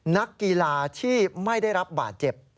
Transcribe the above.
นักกีฬาที่ไม่ได้รับบาดเจ็บ